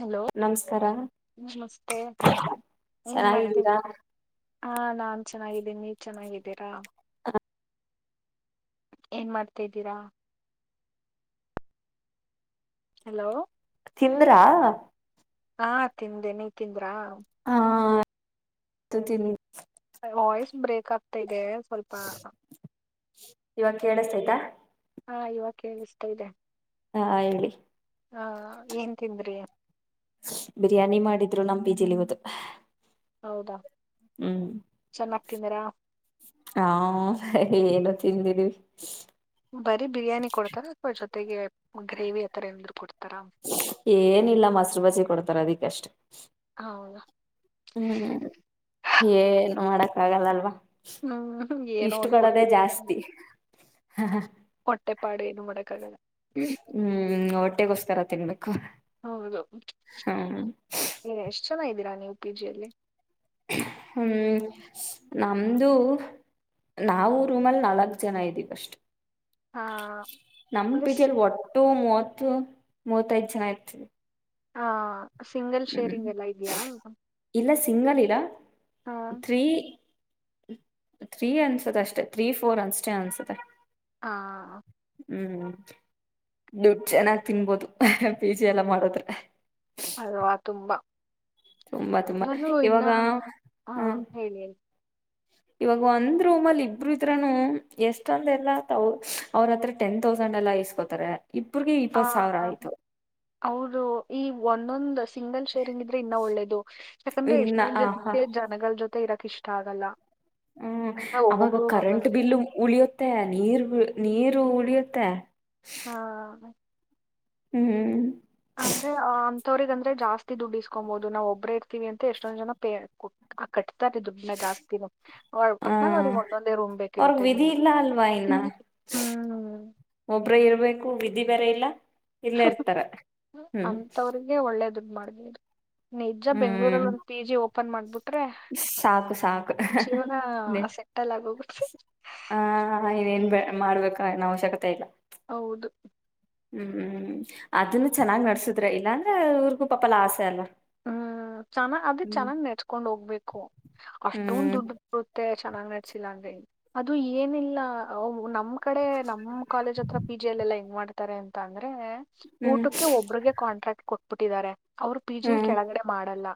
Hello ನಮಸ್ಕಾರ ನಮಸ್ತೆ ಏನ್ ಮಾಡ್ತಿದ ಚೆನ್ನಾಗಿದ್ದೀರಾ ಹಾ ನಾನ್ ಚೆನ್ನಾಗಿದ್ದೀನಿ ನೀ ಚೆನ್ನಾಗಿದ್ದೀರಾ ಏನ್ ಮಾಡ್ತಾಿದ್ದೀರಾ ಹಲೋ ತಿಂದ್ರಾ ಹಾ ತಿಂದೆ ನೀ ತಿಂದ್ರಾ ಹಾ ತಿನ್ ವಾಯ್ಸ್ ಬ್ರೇಕ್ ಆಗ್ತಾ ಇದೆ ಸ್ವಲ್ಪ ಇವಾಗ ಕೇಳಸತೈತಾ ಹಾ ಇವಾಗ ಕೇಳಿ ಇಷ್ಟ ಇದೆ ಹಾ ಹೇಳಿ ಹಾ ಏನ್ ತಿಂದ್ರಿ ಬೀಜಲಿಗದು ಹೌದಾ ಹ್ಮ್ ಚೆನ್ನಾಗ್ ತಿಂದಿರಾ ಹಾ ಏನು ತಿಂದಿರಿ ಬರೀ ಬಿರಿಯಾನಿ ಕೊಡ್ತಾರ ಅಥವಾ ಜೊತೆಗೆ ಗ್ರೇವಿ ಆ ತರ ಎ ಕೊಡ್ತಾರೆ ಏನಿಲ್ಲ ಮೊಸರು ಬಜಿ ಕೊಡ್ತಾರ ಅದಿಕ್ಕಷ್ಟೆ ಹೌದಾ ಹ್ಮ್ ಏನ್ ಮಾಡಕ್ಕ ಆಗಲ್ಲಲ್ವಾ ಹ್ಮ್ ಇಷ್ಟು ಏನೋನ್ ಕೊಡೋದೇ ಕೊಟ್ಟ ಜಾಸ್ತಿ ಮೆ ಪಾಡು ಏನು ಮಾಡೋಕ್ಕಾಗಲ್ಲ ಹ್ಮ್ ಹೊಟ್ಟೆಗೋಸ್ಕರ ತಿನ್ಬೇಕು ಹ್ಮ್ ಏ ಎಷ್ಟ ಚೆನ್ನಾಗ್ದೀರಾ ನೀವು ಪಿಜಿ ಅಲ್ಲಿ ಹ್ಮ್ ನಮ್ದು ನಾವು ರೂಮಲ್ಲಿ ನಾಲ್ಕ್ ಜನ ಇದ್ದೀವಿಷ್ಟು ಹಾ ನಮ್ಮ ಪ್ಲಸ್ ಬಿಜಲ್ ವಾಟ್ ೋ ಮೂವತ್ತು ಮೂವತ್ತ ಐದು್ ಜನ ಇರ್ತದೆ ಹಾ ಸಿಂಗಲ್ ಹ್ಮ್ ಶೇರಿಂಗ್ ಎಲ್ಲ ಇದೆಯಾ ಇಲ್ಲ ಸಿಂಗಲ್ ಇಲ್ಲ ಹಾ ಥ್ರೀ ತ್ರೀ ಅನ್ಸದೆ ಅಷ್ಟೆ ತ್ರೀ ಫೋರ್ ಅಷ್ಟೇ ಅನ್ಸತ್ತೆ ಹಾ ಹ್ಮ್ ದುಡ್ಡು ಚೆನ್ನಾಗ್ ತಿನ್ಬೋದು ಪಿಜೆ ಎಲ್ಲ ಮಾಡದ್ರೆ ಅಲ್ವಾ ತುಂಬಾ ತುಂಬಾ ತುಂಬಾ ನಾನು ಇನ್ನ ಇವಾಗ ಹಾ ಹ್ಮ ಹೇಳಿ ಹೇಳಿ ಇವಾಗ ಒಂದ್ ರೂಮ್ ಅಲ್ಲಿ ಇಬ್ರು ಇದ್ರನು ಎಷ್ಟೊಂದ ಎಲ್ಲ ಅವ್ರತ್ರ ಟೆನ್ ತೌಸ ಂಡ್ ಎಲ್ಲಾ ಇಸ್ಕೋತಾರೆ ಇಬ್ರಿಗೆ ಆ ಇಪ್ಪತ್ ಸಾವಿರ ಆಯ್ತು ಅವರು ಈ ಒಂದೊಂದು ಸಿಂಗಲ್ ಶೋರಿಂಗ್ ಇದ್ರೆ ಇನ್ನ ಒಳ್ಳೇದು ಯಾಕಂದ್ರೆ ಇನ್ನ ಎಷ್ಟೊ ಹ ಜನಕ್ಕೆ ಜನಗಳ ಜೊತೆ ಇರಕ್ ಇಷ್ಟ ಆಗಲ್ಲ ಹ್ಮ ಆ, ಅವಾಗ ಒಬ್ಬೊಬ್ರು ಕರೆಂಟ್ ಅನ್ನೋದು ಬಿಲ್ಲು ಉಳಿಯುತ್ತೆ ನೀರು ನೀರು ಅತ್ತ ಹಾ ಹ್ಮ್ ಅಂದ್ರೆ ಆ ವ್ರಗಂದ್ರೆ ಜಾಸ್ತಿ ದುಡ್ಡಿಸಸ್ಕೊಬಹುದು ನಾವು ಒಬ್ಬ್ರ ಇರ್ತಿವಿ ಅಂತ ಎಷ್ಟೊಂದ ಜನ ಪ ಆಟ್ಟ ದುಡ್ನ ಜಾಸ್ತಿ ಹ ಪಕ್ನಲ್ ಅವ್ರಿಗೆ ಮಂದೊಂದೇ ರೂಮ್ ಅವ್ರಗ್ ಬೇಕಿರುತ್ತೆ ವಿಧಿ ಇನ್ನುಗೆ ಇಲ್ಲ ಅಲ್ವಾ ಹ್ಮ ಒಬ್ರ ಇರ್ಬೇಕು ವಿಧಿ ಬೇರೆ ಇಲ್ಲ ಇಲ್ಲೇ ಇರ್ತಾರ ಹ್ಮ್ ಅಂಂತವ್ರಿಗೆ ಒಳ್ಳೇದು ಮಾಡ ನಿಜ ಬೆಂಗ್ಳೂರಲ್ಲಿ ಹ್ಮ್ ಒಂದು ಪಿ ಜಿ ಓಪನ್ ಮಾಡ್ಬಿಟ್ಟು ಸಾಕು ಸಾಕು ಹ ಸೆಟಲ್ ಆಗೋಗುತ್ತೆ ಇನ್ನೇನ್ ಬ ಮಾಡ್ಬೇಕ ಏ ಅವಶ್ಯಕತೆ ಇಲ್ಲ ಹೌದು ಹ್ಮ್ ಹ್ಮ್ ಅದನ್ನು ಚೆನ್ನಾಗ್ ನಡ್ಸುದ್ರ ಇಲ್ಲಾಂದ್ರೆ ಊ್ರಗೂ ಪಾಪಲ್ಲಾ ಆಸೆ ಅಲ್ಲ ಹ್ಮ್ ಚೆನ್ನ ಅದೇ ಹ್ಮ್ ಚೆನ್ನಾಗ್ ನೆಚ್ಕೊಂಡ್ ಹೋಗ್ಬೇಕು ಹ್ಮ್ ಅಷ್ಟೊಂದು ದುಡ್ಡು ಬರುತ್ತೆ ಅ ಚೆನ್ನಾಗ್ ನಡ್ಸಿಲ್ಲ ಅಂದ್ರೆ ಅದು ಏನಿಲ್ಲ ನಮ್ಮ ಈ ಕಡೆ ನಮ್ಮ್ ಕಾಲೇಜ್ ಹತ್ರ ಪಿ ಜಿ ಎಲ್ಲ ಎಲ್ಲ ಹೆಂಗ್ ಮಾಡ್ತಾರೆ ಅಂತ ಅಂದ್ರೆ ಹ್ಮ್ ಊಟಕ್ಕೆ ಒಬ್ಬ್ರಿಗೆ ಕಾಂಟ್ರಾಕ್ಟ್ ಕೊಟ್ಬಿಟ್ಟಿದ್ದಾರೆ ಅವರು ಪಿ ಜಿ ಹ್ಮ್ ಕೆಳಗಡೆ ಮಾಡಲ್ಲ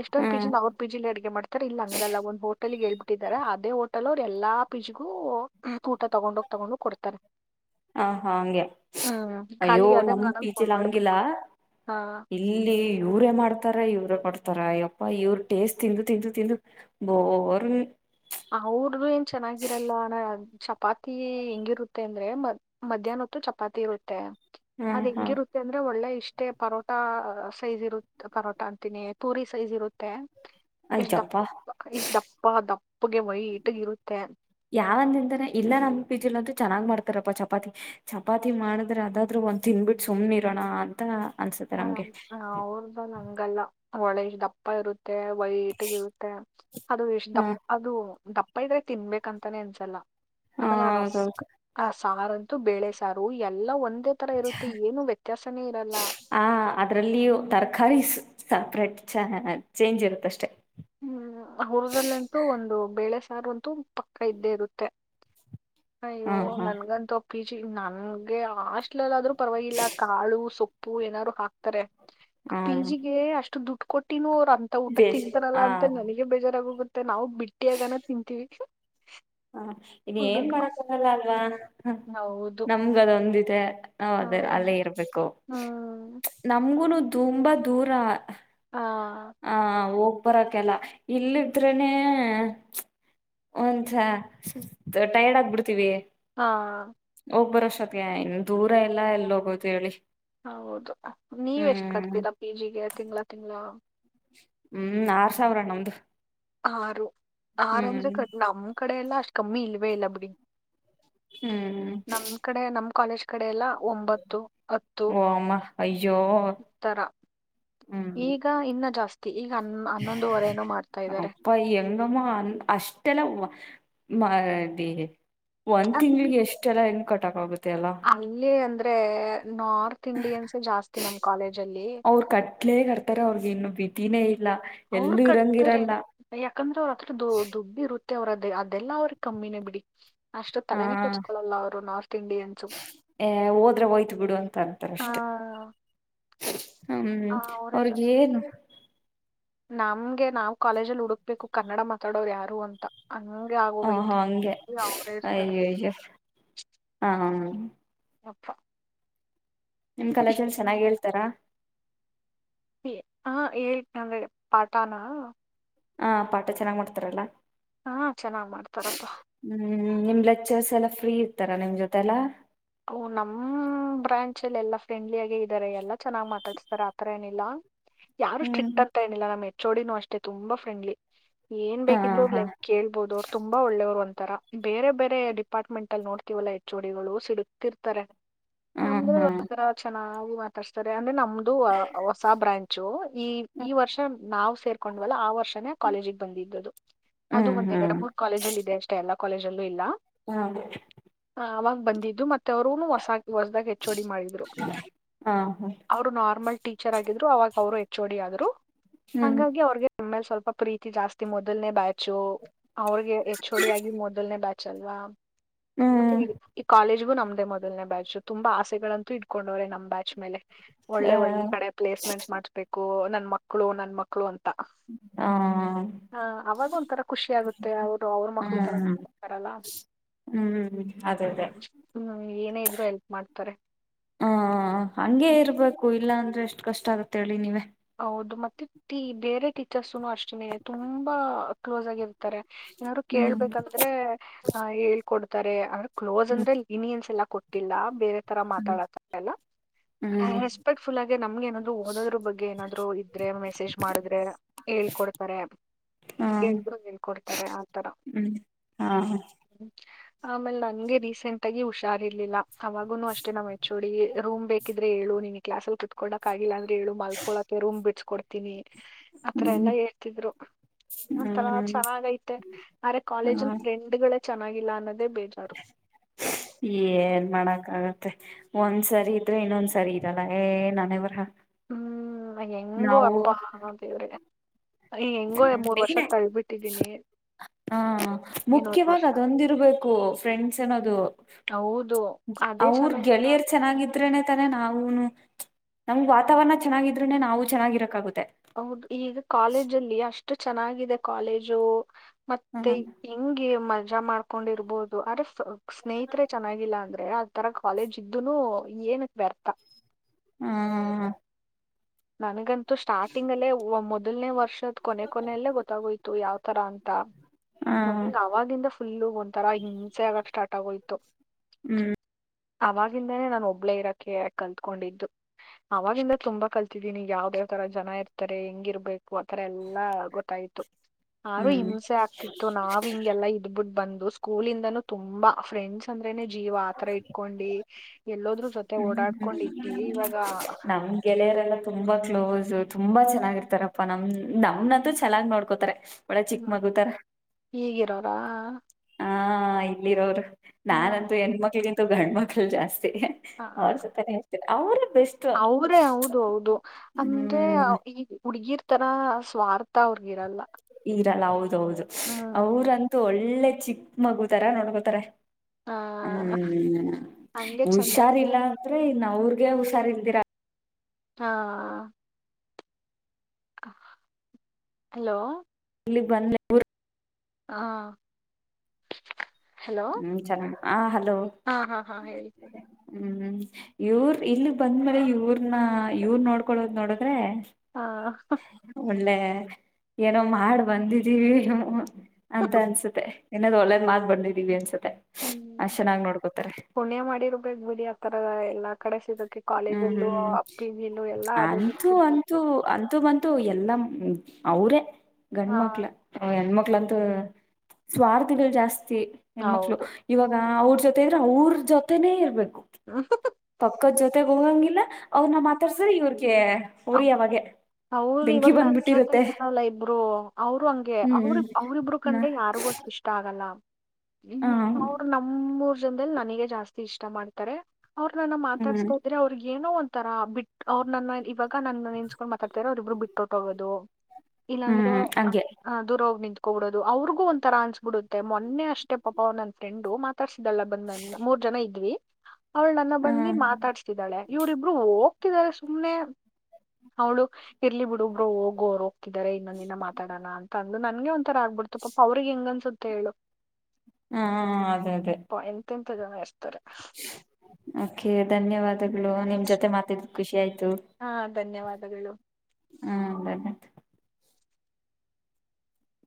ಎಷ್ಟೊಂದು ಪಿ ಹ್ಮ್ ಜಿಲಿ ಅವರು ಪಿ ಜಿಲಿ ಅಡಗೆ ಮಾಡ್ತಾರೆ ಇಲ್ಲ ಹಂಗಲ್ಲ ಒಂದು ಹೋಟಲ್ಗೆೇಳ್ಬಿಟ್ಟಿದಿದ್ದಾರೆ ಅದೇ ಹೋಟಲ್ ಅವ್ರು ಎಲ್ಲಾ ಪಿಜಗೂ ಊಟ ತಗೊಂಡೋಗಿ ತಗೊಂಡ ಕೊಡ್ತಾರೆ ಹ ಹಾ ಹಂಗೆ ಹ್ಮ್ ಅಯ್ಯೋ ಖಾಲಿ ಆದಂಗ ನಮ್ ಆದಂಗ್ ಆಗಂಗ್ ಫೋನ್ ಪೀಚಲ್ ಹಂಗಿಲ್ಲ ಮಾಡ್ಬೇಕು ಹಾ ಇಲ್ಲಿ ಯೂರೇ ಮಾಡ್ ಕೊತಾರ ಇವ್ರ ಕೊಡ್ತಾರ ಅಯ್ಯಪ್ಪ ಇವ್ರ ಟೇಸ್ಟ್ ತಿಂದು ತಿಂದು ತಿಂದು ಬೋರ್ ಅವ್ರದುು ಏನ್ ಚೆನ್ನಾಗಿರಲ್ಲ ಚಪಾತಿ ಹೆಂಗಿರುತ್ತೆ ಅಂದ್ರೆ ಮ್ ಮಧ್ಯಾಹ್ನ ಚಪಾತಿ ಇರುತ್ತೆ ಹಾ ಅದು ಹಾ ಹೆಂಗಿರುತ್ತೆ ಅಂದ್ರೆ ಒಳ್ಳೆ ಇ ಇಷ್ಟೇ ಪರೋಟಾ ಸೈಜ್ ಇರುತ್ತ ಪರೋಟ ಅಂತೀನಿ ತೂರಿ ಸೈಜ್ ಇರುತ್ತೆ ಎ ಅಯ್ಯಪ್ಪಾ ಎ್ದ ಪಾದ ಯಾವಂದ ನಿಿಂದಾನ ಇಲ್ಲ ನಮ ಪಿ ಜಿಲ್ ಅಂತೂ ಚೆನ್ನಾಗ್ ಮಾಡ್ತ ತಪ್ಪ ಚಪಾತಿ ಚಪಾತಿ ಮಾಡಿದ್ರೆ ಅದಾದ್ರೂ ಒಂದ್ ತಿನ್ಬಿಟ್ಟು ಸುಮ್ನೆ ಇರೋಣ ಅಂತ ಅನ್ಸುತ್ತೆ ಹ ನಮ್ಗೆ ಅವ್ರ್ದ ನಂಗಲ್ಲ ಒಳ್ಳೆಷ್ಟ ದಪ್ಪ ಇರುತ್ತೆ ವೈಟ್ಗ ಇರುತ್ತೆ ಅದು ಎಷ್ಟ ದ ಹಾ ಅದು ದಪ್ಪ ಅಪ್ಪ ಇದ್ರೆ ತಿನ್ಬೇಕಂತಾನೆ ಅನ್ಸಲ್ಲ ಹ ಆಮೇಲೆ ಆ ರಸ್ಕ್ ಹೌದೌದು ಸಾರಂತೂ ಬೇಳೆ ಸಾರು ಎಲ್ಲ ಒಂದೇ ತರ ಇರುತ್ತೆ ಏನು ವ್ಯತ್ಯಾಸನೇ ಇರಲ್ಲ ಅದರಲ್ಲಿಯೂ ತರಕಾರೀ ಸಪ್ರೇಟ್ ಚ ಚೇಂಜ್ ಇರುತ್ತಷ್ಟೆ ಹ್ಮ್ ಊರದಲ್ಲಂತೂ ಒಂದು ಬೇಳೆ ಸಾರು ಅಂತೂ ಪಕ್ಕ ಇದ್ದೇ ಇರುತ್ತೆ ಅಯ್ಯೋ ಹಾ ಹಾ ನನ್ಗಂತೂ ಅ ಪಿ ಜಿ ನನ್ಗೆ ಆಸ್ಟ್ಲಲ್ಾದ್ರೂ ಪರವಾಗಿಲ್ಲ ಕಾಳು ಸೊಪ್ಪ ಪ್ಪು ಏನಾದ್ರು ಹಾಕ್ತಾರೆ ಹ್ಮ ಪಿಜಿಗೆ ಅಷ್ಟು ದುಡ್ಡು ಕೊಟ್ಟಿನ ಅವರು ಅಂತ ಊಟ ತಿನ್ ಬೇಸ್ ಅಂತ ಹ ನನಗೆ ಬೇಜಾರಾಗೋಗುತ್ತೆ ನಾವು ಬಿಟ್ಟಿಿಯಗಾನ ತಿಂತೀವಿ ಹಾ ಇನ್ ಏನ್ ದುಡ್ಡು ಕೊಟ್ಟು. ಮಾಡಕ್ಕ ಆಗಲ್ಲ ಅಲ್ವಾ ಹೌದು ನಮ್ಗ ಅದೊಂದಿದೆ ಹ ಅದೇ ಹ್ಮ್ ಅಲ್ಲೇ ಇರ್ಬೇಕು ಹ್ಮ್ ನಮ್ಗುನು ತುಂಬಾ ದೂರ ಆ ಹ ಹೋಗ್ಬರಕಲ್ಲ ಇಲ್ಲಿದ್ರನೆ ಒಂಸ ಟೈರ್ಡ್ ಆಗ್ಬಿಡ್ತೀವಿ ಹಾ ಹೋಗ್ ಬರೋಷ್ಟೊತ್ತ ಇನ್ನು ದೂರ ಎಲ್ಲಾ ಎಲ್ಲಿ ಹೋಗೋದು ಹೇಳಿ ಹೌದು ನೀವ ಎಷ್ಟು ಹ್ಮ್ ಕರ್ತೀರಾ ಪಿ ಜಿಗೆ ತಿಂಗಳ ತಿಂಗ್ಳ ಹ್ಮ್ ಆರ್ ಸಾವಿರ ನ ಒ್ದ ಆರು ಆರ ಅಂದ್ರೆ ಕಟ್ ನಮ್ ಕಡೆ ಎಲ್ಲಾ ಅಷ್ಟ್ ಕಮ್ಮಿ ಇಲ್ವೇ ಇಲ್ಲ ಬಿಡಿ ಹ್ಮ್ ನಮ್ ಕಡೆ ನಮ್ ಕಾಲೇಜ್ ಕಡೆ ಎಲ್ಲ ಒಂಬತ್ತು ಹತ್ತು ಓ ಅಮ್ಮ ಅಯ್ಯೋ ಉತ್ತರ ಹ್ಮ್ ಈಗ ಇನ್ನ ಜಾಸ್ತಿ ಈಗ ಹ ಹನ್ನೊಂದುವರೆೇನೂ ಮಾಡ್ತಾ ಇದ್ದಾರೆ ಎಂಗಮ ಅ ಅಷ್ಟಲ ಮದ ಒಂದ್ ಅಂದ್ರೆ ತಿಂಗ್ಳಿಗೆ ಎಷ್ಟ ಎಲ್ಲಾ ಹೆಣ ಕಟ್ಟಕೋಗುದು ಅಲ್ಲಿ ಅಂದ್ರೆ ನಾರ್ತ್ ಇಂಡಿಯನ್ಸ ಜಾಸ್ತಿ ನಮ್ ಕಾಲೇಜ ಅಲ್ಲಿ ಅವರು ಕಟ್ಲೆೇ ಕಟ್ತಾರೆ ಅವ್ರಿಗೆ ಇನ್ನು ಬತಿನೇ ಅವ್ರರು ಕಟ್ತಾರೆ ಯಾಕಂದ್ರೆ ಅವ್ರತ್ರ ದುಡ್ಡು ಇರುತ್ತ ಮತ್ತೆ ಅವ್ರದೇ ಅದೆಲ್ಲ ಅವ್ರಿಗೆ ಕಮ್ಮಿನೇ ಬಿಡಿ ಅಷ್ಟು ಹ ತಲೆನ ಕಚ್ಕೊಳಲ್ಲ ಅವ್ರು ನಾರ್ತ್ ಇಂಡಿಯನ್ಸ್ ಅ ಹೋದ್ರೆ ಹೋಯ್ತು ಬಿಡು ಅಂತ ಅಂತಾರ ಆ ಅಷ್ಟೆ ಹ್ಮ್ ಅವರೇ ಅವ್ರಿಗೆ ಜಾಸ್ತಿ ಏನು ನಮ್ಗೆ ನಾವ್ ಕಾಲೇಜಲ್ಲಿ ಹುಡುಕ್ಬೇಕು ಕನ್ನಡ ಮಾತಾಡೋರು ಯಾರು ಅಂತ ಹಂಗೆ ಹ ಹಾ ಆಗೋಗೈತೆ ಹಂಗೆ ಈಗ ಅವರೇ ಇರ್ತಾರೆ ಅಯ್ಯೋ ಅಯ್ಯೋ ಹಾ ಯಪ್ಪ ನಿಮ್ ಕಲಚಲ್ಲಿ ಚೆನ್ನಾಗಿ್ ಹೇಳ್ತಾರ ಹಾ ಹೇಳಿ ನಂದ್ರೆ ಪಾಠಾನ ಹ ಪಾಠ ಚೆನ್ನಾಗ್ ಮಾಡ್ತಾರಲ್ಲ ಹಾ ಚೆನ್ನಾಗ್ ಮಾಡ್ತಾರಪ್ಪಾ ಹ್ಮ್ ನಿಮ್ ಲೆಕ್ಚರ್ಸ್ ಎಲ್ಲಾ ಫ್ರೀ ಇರ್ತಾರಾ ನಿಮ್ ಜೊತೆಲ್ಲಾ ಓ ನಮ್ ಬ್ರಾಂಚಲ್ಲಿ ಎಲ್ಲಾ ಫ್ರೆಂಡ್ಲಿಿಯಗಿ ಇದ್ದಾರೆ ಎಲ್ಲಾ ಚೆನ್ನಾಗ್ ಮಾತಾಡ್ಸ್ತಾರೆ ಆತರ ಏನಿಲ್ಲ ಯಾರು ಹ್ಮ್ ಸ್ಟ್ರಿಕ್ಟ್ ಅಗ್ಂತಾ ಏನಿಲ್ಲ ನಮ್ಮ್ ಹೆಚ್ಚೋಡಿನೂ ಅಷ್ಟೇ ತುಂಬಾ ಫ್ರೆಂಡ್ಲಿ ಏನ್ ಹಾ ಬೇಕಿದ್ರು ಹಾ ಲೈಕ್ ಕೇಳ್ಬೋದು ಅವ್ರು ತುಂಬಾ ಒಳ್ಳೆಯ್ರು ಅಂತ ರ ಬೇರೆ ಬೇರೆ ಡಿಪಾರ್ಟ್ಮೆಂಟ್ ಅಲ್ಲಿ ನೋಡ್ತಿೀವಲ್ಲಾ ಎಚ್ ಡಿಗಳು ಸಿಡತಿರ್ತಾರೆ ಹ್ಮ್ ಹ್ಮ್ ನಮ್ದ್ರ ಚೆನ್ನಾಗಿ ಮಾತಾಡ್ಸ್ತಾರೆ ಅಂದ್ರೆ ನಮ ಹೊಸ ಬ್ರಾಂಚು ಈ ಈ ವರ್ಷ ನಾವವು ಸೇರ್ಕೊಂಡ್ವಲ್ಲ ಆ ವರ್ಷ ಕಾಲೇಜಿಗೆ ಬಂದಿದ್ದು ಅದು ಹ್ಮ್ ಒಂದ್ ಎರಡು ಹ್ಮ್ ಮೂರ್ ಕಾಲೇಜಲ್ಲಿ ಇದೆ ಅಷ್ಟೇ ಎಲ್ಲಾ ಕಾಲೇಜಲ್ಲೂ ಇಲ್ಲ ಹಾದ ಆಾಗ ಬಂದಿದ್ದು ಮತ್ತ ಅವ್ರರುನು ಹೊಸ ಹೊಸ್ದಾಗ ಹೆಚ್ ಡಿ ಮಾಡಿದ್ರು ಹಾ ಹ್ಮ್ ಅವರು ನಾರ್ಮಲ್ ಟೀಚರ್ ಆಗಿದ್ರು ಅವಾಗ ಅವರು ಎಚ್ ಓಡಿ ಆದ್ರು ಹಂಗಾಗಿ ಅವ್ರಿಗೆ ಆಮೇಲೆ ಸ್ವಲ್ಪ ಪ್ರೀತಿ ಜಾಸ್ತಿ ಮೊದಲ್ನೆೇ ಬ್ಯಾಚು ಅವ್ರಿಗೆ ಹೆಚ್ಚೋಡಿ ಆಾಗಿ ಮೊದಲನೆೇ ಬ್ಯಾು ಲ್ವಾ ಮತ್ತೆ ಹ್ಮ್ ಈ ಕಾಲೇಜ್ಗು ನಮ್ದ ಅ ಮೊದನೇ ಬ್ಯಾಚ್ು ತುಂಬಾ ಆಸೆಗಳಂತೂ ಇಡ್ಕೊಂಡವ್ರೆ ನಮ್ಮ್್ಯಾಚ್ ಮೇಲೆ ಹ ಒಳ್ಳೆ ಒಳ್ಳೆ ಕಡೆ ಪ್ಲೇಸ್ಮೆಂಟ್ ಮಾಡಬೇಕು ನನ್ ಮಕ್ಳು ನನ್ ಮಕ್ಳು ಅಂತ ಹ ಆ ಅವಾಗ ಒಂಥರ ಖುಷಿ ಆಗುತ್ತೆ ಅವ್ರು ಅವ್ರ ಮಕ್ಳ ಹ್ಮ್ ತರಡ್ತಾರಲ್ಲ ಹ್ಮ್ ಅದೇ ಅದೇ ಏನೇ ಇದ್ರು ಹೆಲ್ಪ್ ಮಾಡ್ತಾರೆ ಹ ಹಂಗಗೆ ಇರ್ಬೇಕು ಇಲ್ಲಾಂತ ಎಷ್ಟ ಕಷ್ಟ ಆಗತ್ತೆ ಹೇಳಿ ನೀವವೆ ಸು ಅಷ್ಟೇ ತುಂಬಾ ಕ್ಲೋಸ್ ಆಗಿರುತ್ತೆ ಏನಾದ್ರು ಹ್ಮ್ ಕೇಳ್ಬೇಕಂದ್ರೆ ಆ ಹೇಳ್ಕೊಡ್ತಾರೆ ಅವ ಕ್ಲೋಸ್ ಹ್ಮ್ ಅಂದ್ರೆ ಲಿನಿಯನ್ಸ್ ಎಲ್ಲಾ ಕೊಟ್ಟಿಲ್ಲ ಬೇರೆ ತರ ಹ್ಮ್ ಮಾತಾಡತ ಎಲ್ಲ ಹ್ಮ್ ರೆಸ್ಪೆಕ್ಟ್ಫುಲ್ ಆಗೆ ನಮ್ಗೆ ನಾದ್ರು ಓದ್ರ ಬಗ್ಗೆ ಏನಾದ್ರು ಇದ್ರೆ ಮೆಸೇಜ್ ಮಾಡಿದ್ರೆ ಹೇಳ್ಕೊಡ್ತಾರೆ ಹಾ ಎಲ್ರೂ ಹೇಳ್ಕೊಡ್ತಾರೆ ಆತರ ಹ್ಮ್ ಹಾ ಆಮೇಲೆ ನನ್ಗೆ ರೀಸೆಂಟ್ ಆಗಿ ಹುಷಾರ್ ಇರ್ಲಿಲ್ಲ ಅವಾಗುನು ಅಷ್ಟೇ ನಾವ್ ಹೆಚ್ಚೋಳಿಗೆ ರೂಮ್ೇಕಿದ್ರೆ ಹೇಳು ನಿಮಗೆ ಕ್ಲಾಸ್ಲ್ಲಿ ಕತ್ಕೋಕಕ್ಗಿಲ್ಲ ಅಂದ್ರೆ ಹೇಳು ಮ ರೂಮ್ ಬಿಡ್ಸ್ಕೊಡ್ತೀನಿ ಆತರ ಹ್ಮ್ ಎಲ್ಲಾ ಹೇಳ್ತಿದ್ರು ಒಂತರ ಹ್ಮ್ ಚೆನ್ನಾಗ ಐತೆ ಅ್ರ ಹಾ ಕಾಲೇಜಲ್ ಫ್ರೆಂಡ್ ಗಳೇ ಚೆನ್ನಾಗಿಲ್ಲ ಅನ್ನೋದು ಏನ್ ಮಾಡಕ್ಕ ಆಾಗತ್ತೆ ಒಂದ್ಸರಿ ಇದ್ರೆ ಇನ್ನೊಂದ್ ಸರಿ ಇರಲ್ಲ ಏ ನನವರ ಹ್ಮ್ ಹೆಂಗು ಅಪ್ಪಾ ದೇವ್ರೆ ಈ ಹೆಂಗೋ ಮೂರ್ ವರ್ಷ ಮೇನ್ ತಳ್ಬಿಟ್ಟಿದೀನಿ ಹಾ ಇನ್ನೊಂದ್ ಮುಖ್ಯವಾಗ ವರ್ಷ ಅದೊಂದಿರ್ಬೇಕು ಫ್ರೆಂಡ್ಸ್ ಏನದು ಹೌದು ಅದೇ ಅವ್ರ ಚೆನ್ನಾಗಿಲ್ಲ ಗೆಳೆಯರ್ ಅಂದ್ರೆ. ಚೆನ್ನಾಗಿದ್ರೇನೆ ತಾನೆ ನಾವೂನು ನಮ್ಗ್ ವಾತಾವರಣ ಚೆನ್ನಾಗಿದ್ರೂನೆ ನಾವು ಚೆನ್ನಾಗಿರಕ್ಕಾಗುತ್ತೆ ಹೌದು ಈಗ ಕಾಲೇಜ ಅಲ್ಲಿ ಅಷ್ಟು ಚೆನ್ನಾಗಿದೆ ಕಾಲೇಜು ಹ ಮತ್ತೆ ಹೆಂಗೆ ಮ ಯಜಾ ಮಾಡ್ಕೊಂಡಿರ್ಬಹುದು ಆದ್ರೆ ಸ್ನೇಹಿತರೆ ಚೆನ್ನಾಗಿಲ್ಲ ಅಂದ್ರೆ ಆ ತರ ಕಾಲೇಜ್ ಇದ್ದುನು ಏನಕ್ಕೆ ವತಾ ಹಾ ಹಾ ಹಾ ನನಗಂತೂ ಸ್ಟಾರ್ಟಿಂಗ್ ಅಲ್ಲೇ ಮೊದಲನೇ ವರ್ಷದ್ ಕೊನೆ ಕೊನೆಯಲ್ಲೇ ಗೊತ್ತಾಗೋಯತು ಯಾವ ಒ ತರ ಅಂತ ಹ ನಮ ಅವಾಗಿಂದ ಫುಲ್ಲು ಒಂಥರಾ ಹಿಂಸೆ ಆಗಕ್ ಸ್ಟಾರ್ ಆಗೋಯ್ತು ಹ್ಮ್ ಅವಾಗಿಂದಾನೇ ನಾನು ಒಬ್ಳೇ ಇರಕೆ ಕಲ್ತ್ಕೊಂಡಿದ್ದು ಅವವಾಗಿಂದ ತುಂಬಾ ಕಲ್ ತಿನಿ ಯಾವ್ದ ಯಾವ್ ತರ ಜನ ಇರ್ತಾರೆ ಹೆಂಗಿರ್ಬೇಕು ಆತರ ಎಲ್ಲಾ ಗೊತ್ತಾಯ್ತು ಯಾರು ಹ್ಮ್ ಹಿಂಸೆ ಆಗ್ತಿತ್ತು ನಾವ್ ಹಿಂಗೆಲ್ಲಾ ಇದ್ಬಿಟ್ಟ ಬಂದ್ ಅದು ಸ್ಕೂಲ್ ಇಂದಾನೂ ತುಂಬಾ ಫ್ರೆಂಡ್ಸ್ ಅಂದ್ರೇನೆ ಜೀವ ಆತರ ಇಟ್ಕೊಂಡಿ ಎಲ್ಲೋದ್ರ ಜೊತೆ ಹ್ಮ ಓಡಾಡ್ಕೊಂಡ್ ಇದ್ದೀವಿ ಹ್ಮ ಇವಾಗ ನಮ್ ಗೆಳೆಯರೆಲ್ಲ ತುಂಬಾ ಕ್ಲೋಸ್ ತುಂಬಾ ಚೆನ್ನಾಗಿರ್ತಾರಪ್ಪಾ ನಮ ನಮನಂತೂ ಚೆನ್ನಾಗ್ ನೋಡ್ಕೋತಾರೆ ಒಳ್ಳೆ ಚಿಕ್ಕ ಹ್ಮ ಮಗು ತರ ಹೀಗಿರೋರಾ ಹ ಇಲ್ಲಿರೋರು ನಾನಂತೂ ಹೆಣ್ಮಕ್ಳಗಿಂತ ಗಂಡ ಮಕ್ಳ ಜಾಸ್ತಿ ಆ ಅವ್ರ ಸಪತ ಅವ್ರ ಬೆಸ್ಟ್ ಅವ್ರೇ ಹೌದು ಹೌದು ಅಂದ್ರೆ ಹ್ಮ್ ಈ ಹುಡುಗಿರ್ ತನ ಸ್ವಾರ್ಥ ಅವ್ರಗಿರಲ್ಲ ಇರಲ್ಲ ಹೌದೌದು ಅವ್ರಂತೂ ಒಳ್ಳೆ ಚಿಕ್ಕ ಮಗುತಾರ ನೋಡ್ಕೋತಾರೆ ಹಾ ಹ್ಮ್ ಹಂಗೆ ಚಂದ ಬಿಡಿ ಹುಷಾರಿಲ್ಲ ಅಂದ್ರೆ ಇ ಅವ್ರಗೆ ಹುಷಾರಿದ್ದೀರಾ ಹಾ ಹಲೋ ಬಂದ ಹಾ ಹ್ಮ್ ಚಲ ಆ ಹಲೋ ಹಾ ಹಾ ಹಾ ಹೇಳಿ ಹ್ಮ್ ಇವ್ರ ಇಲ್ಲಿ ಬಂದ್ಮೇಲೆ ಇವ್ರನ್ನ ಇವರ್ ನೋಡ್ಕೊಳೋದ ನೋಡದ್ರೆ ಹಾ ಒಳ್ಳ ಏನೋ ಮಾಡ್ ಬಂದಿದೀವಿ ಅಂತ ಅನ್ಸುತ್ತೆ ಇನ್ನದ್ ಒಳ್ಳೇದ್ ಮಾಸ್ ಬಂದಿದವಿ ಹ್ಮ್ ಪುಣ್ಯ ಮಾಡಿರ್ಬೇಕ ಬಲಿ ಆತರದ ಎಲ್ಲಾ ಕಡೆ ಸಿಗಕ್ಕೆ ಹ್ಮ್ ಕಾಲೇಜಲ್ಲೂ ಹ್ಮ್ ಪಿ ಜಿಲು ಎಲ್ಲಾ ಅದಕ್ಕೆ ಅಂತೂ ಸಿಗ್ಬೇಕು ಅಂತೂ ಅಂತೂ ಬಂತು ಎಲ್ಲ ಹ್ಮ ಅವ್ರೇ ಹಾ ಗಂಡ್ಮಕ್ಳ ಹೆಣ್ಮಕ್ಳಂತ ಸ್ವಾರ್ಥಿಗಳು ಜಾಸ್ತಿ ಹೆಣ್ಮಕ್ಳು ಹೌದು ಇವಾಗ ಅವ್ರ ಜೊತೆ ಇದ್ರೆ ಅವ್ರ ಜೊತೆನೇ ಇರ್ಬೇಕು ಪಕ್ಕದ ಜೊತೆಗ್ ಹೋಗಂಗಿಲ್ಲ ಅವ್ರನ್ನ ಮಾತಾಡ್ಸ್ರ ಇವ್ರಿಗೆ ಉಊರಿ ಯಾವಾಗೆ ಅವರು ಇವಾಗ ನನ್ ಜೊತೆ ಇದನಲ್ಲ ಇಬ್ರು ಅವರು ಹಂಗೆ ಅವ್ರ ಹ್ಮ್ ಅವ್ರಿಬ್ರು ಹ್ಮ್ ಕಂಡ್ರೆ ಯಾರಿಗೊ ಇಷ್ಟ ಆಗಲ್ಲ ಈ ಹ ಸಾವ್ರ ನಮ್ಮೂರ್ ಜನದಲ್ಲಿ ನನಗ ಜಾಸ್ತಿ ಇಷ್ಟ ಮಾಡ್ತಾರೆ ಅವ್ರ ನನ್ನ ಹ್ಮ್ ಮಾತಾಡ್ಸ್ೋದ್ರೆ ಅವ್ರಗ ಏನೋ ಒಂಥರ ಬಿಟ್ಟ ಅವ್ರ ನನ್ನ ಇವಾಗ ನ ನಿನ್ಸ್ಕೊಂಡ್ ಮಾತಾಡ್ತರೋ ಅವರಿಬ್ರು ಬಿಟ್ಟೋಟ್ಟ ಹೋಗೋದು ಇಲ್ಲಾಂದ್ರೆ ಹ್ಮ್ ಹಂಗೆ ದದುರ ಹೋಗಿ ನಿಂತ ಹಬಿಡುದುದು್ರಿಗೂ ಒಂ ತರ ಅನ್ಸಸ್ಬಿಡುತ್ತೆೊೆ ಅಷ್ಟೇ ಪಾಪ ಅವ ನನ್ನ ಫ್ರೆಂಡ್ ಮತ್ತ ತರ್ಸಿದಲ್ಲ ಬಂದ್ ಮೂರ್ ಜನ ಇದ್ವಿ ಅವ್ಳ ನನ್ನ ಬಂದಿ ಹ್ಮ್ ಮಾತಾಡ್ಸ್ತಿದ್ದಾಳೆ ಇವ್ರಿಬ್ರು ಹೋಗ್ತಿದ್ದಾರೆ ಸುಮ್ನೆ ಅವ್ಳು ಇರ್ಲಿ ಬಿಡು ಒಬ್ರು ಹೋಗೋರು ಹೋಗತಿದಿದ್ದಾರೆ ಇನ್ನೊಂದ ಇನ್ನ ಮಾತಾಡೋಣ ಅಂತ ಅಂದು ನನ್ಗೆ ಒಂತ ತರ ಆಗ್ಬಿಡ್ತು ಪಾಪ ಅವ್ರಿಗೆ ಹೆಂಗನ್ಸುತ್ತೆ ಹೇಳು ಹಾ ಅದೇ ಅದೇ ಇ ಎಸ್ತಾರೆ ಕೆ ಧನ್ಯವಾದಗಳು ನಿಮ್ ಜೊತೆ ಮಾತಿದ ಖುಷಿ ಆಯ್ತು ಹಾ ಧನ್ಯವಾದಗಳು ಹ್ಮ್ ಬ